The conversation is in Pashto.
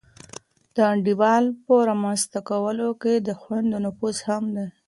د انډول په رامنځته کولو کي د خویندو نفوذ مهم دی.